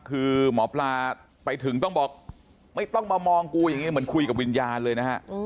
คือหมอปลาไปถึงต้องบอกไม่ต้องมามองกูอย่างนี้เหมือนคุยกับวิญญาณเลยนะฮะ